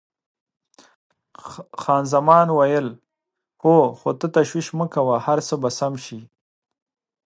خان زمان وویل: هو، خو ته تشویش مه کوه، هر څه به سم شي.